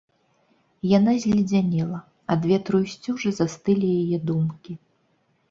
Яна зледзянела, ад ветру і сцюжы застылі яе думкі.